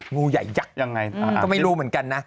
งูใหญ่ยักษ์ยังไงก็ไม่รู้เหมือนกันนะ